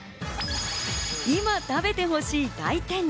今食べてほしい大天梨。